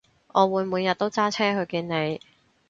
我會每日都揸車去見你